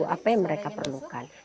apa yang mereka perlukan